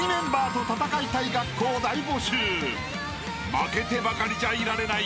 ［負けてばかりじゃいられない］